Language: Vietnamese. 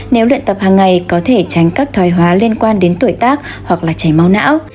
nếu luyện tập hàng ngày có thể tránh các thoái hóa liên quan đến tuổi tác hoặc là chảy máu não